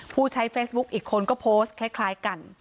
ผู้ใช้เฟซบุ๊คอีกคนก็โพสต์คล้ายกัน